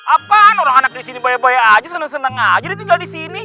apaan orang anak disini baya baya aja seneng seneng aja dia tinggal disini